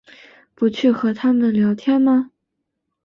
不去和他们聊天吗？